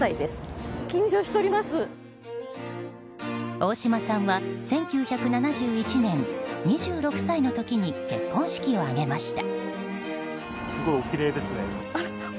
大島さんは１９７１年２６歳の時に結婚式を挙げました。